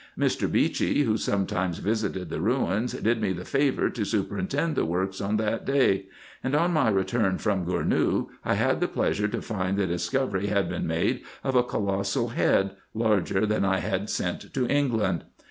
Mr. Beechey, who sometimes visited the ruins, did me the favour to superintend the work on that day ; and, on my return from Gournou, I had the pleasure to find the discovery had been made of a colossal head, larger than that I had sent to England.